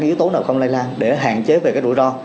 yếu tố nào không lây lan để hạn chế về cái rủi ro